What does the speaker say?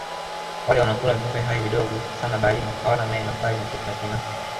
wale wanaokula viumbe hai vidogo sana baharini hawana meno bali mifupa ya kinywani